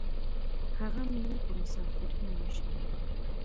هغه میوې په مسافرینو ویشلې.